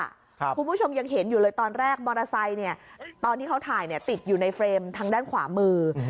คุณผู้ชมยังเห็นอยู่เลยตอนแรกมอเตอร์ไซค์เนี่ยตอนที่เขาถ่ายเนี่ยติดอยู่ในเฟรมทางด้านขวามือ